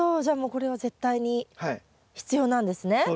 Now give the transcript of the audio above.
じゃあもうこれは絶対に必要なんですね。